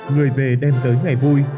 người về đem tới ngày vui